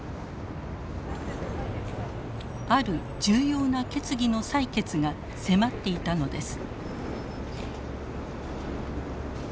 ある重要な決議の採決が迫っていたのです。